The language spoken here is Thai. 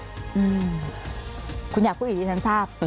อืมคุณอยากพูดอีกดีฉันทราบ